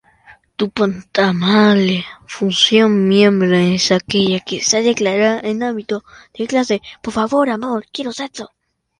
Función miembro es aquella que está declarada en ámbito de clase.